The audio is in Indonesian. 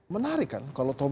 menarik kan kalau